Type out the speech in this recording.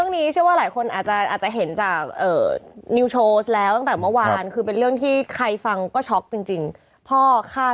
นี่จะเป็นอีกประดามมาเดิมเล้งนั้นนะ